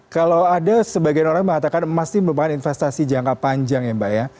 kalau ada sebagian orang mengatakan emas ini merupakan investasi jangka panjang ya mbak ya